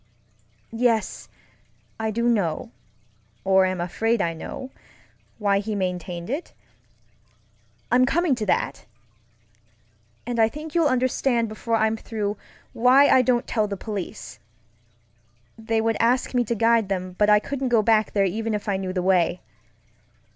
Yes, I do know, or am afraid I know, why he maintained it. I'm coming to that. And I think you'll understand before I'm through why I don't tell the police. They would ask me to guide them, but I couldn't go back there even if I knew the way.